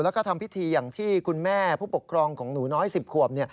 แล้วก็ทำพิธีอย่างที่คุณแม่ผู้ปกครองของหนูน้อย๑๐ขวบ